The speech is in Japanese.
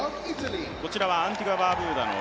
こちらはアンティグア・バーブーダ